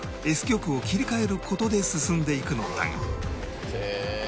極を切り替える事で進んでいくのだが